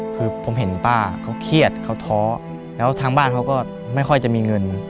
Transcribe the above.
คือผมเห็นป้าเขาเครียดเขาท้อแล้วทางบ้านเขาก็ไม่ค่อยจะมีเงิน